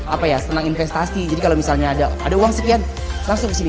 apa ya senang investasi jadi kalau misalnya ada uang sekian langsung ke sini